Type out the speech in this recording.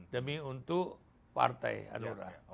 demi untuk partai hanura